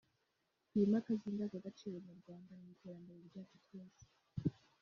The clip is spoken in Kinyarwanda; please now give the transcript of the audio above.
twimakaze indangagaciro nyarwanda mu iterambere ryacu twese